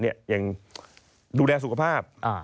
อย่างดูแลสุขภาพ